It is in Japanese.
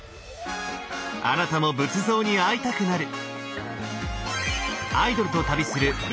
あなたも仏像に会いたくなる！